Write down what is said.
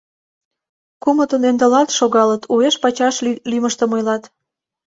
Кумытын ӧндалалт шогалыт, уэш-пачаш лӱмыштым ойлат.